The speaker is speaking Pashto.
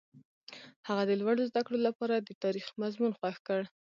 هغه د لوړو زده کړو لپاره د تاریخ مضمون خوښ کړ.